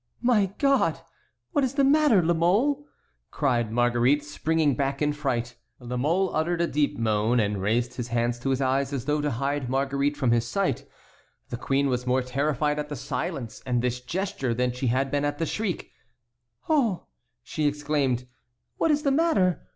"My God! What is the matter, La Mole?" cried Marguerite, springing back in fright. La Mole uttered a deep moan and raised his hands to his eyes as though to hide Marguerite from his sight. The queen was more terrified at the silence and this gesture than she had been at the shriek. "Oh!" she exclaimed, "what is the matter?